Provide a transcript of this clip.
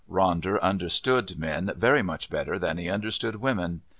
Ronder understood men very much better than he understood women.